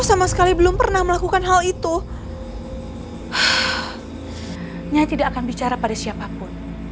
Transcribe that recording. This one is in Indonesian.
aku belum pernah melakukan hubungan terlarang dengan seorang laki laki